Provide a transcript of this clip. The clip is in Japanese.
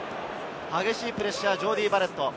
激しいプレッシャー、ジョーディー・バレット。